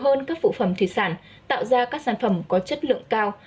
hơn các phụ phẩm thủy sản tạo ra các sản phẩm có chất lượng cao